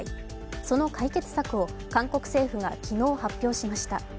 その解決策を韓国政府が昨日、発表しました。